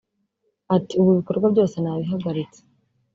Ati “Ubu ibikorwa byose nabihagaritse